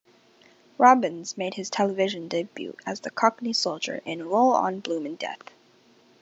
Robbins made his television debut as the cockney soldier in "Roll-on Bloomin' Death".